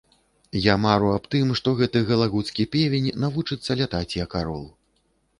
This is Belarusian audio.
Я мару аб тым, што гэты галагуцкі певень навучыцца лятаць, як арол.